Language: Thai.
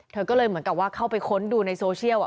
เธอก็เลยเหมือนกับว่าเข้าไปค้นดูในโซเชียล